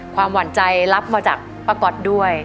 ความหวั่นใจรับมาจากประกอบด้วย